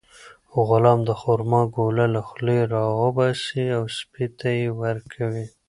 غلام د خورما ګوله له خولې راوباسي او سپي ته یې ورکوي.